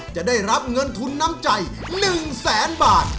จะได้รับเงินทุนน้ำใจ๑แสนบาท